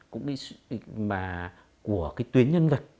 của cái tuyến nhân vật